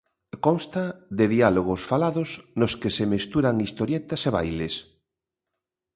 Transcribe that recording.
Consta de diálogos falados nos que se mesturan historietas e bailes.